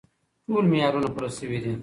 ټول معیارونه پوره شوي دي.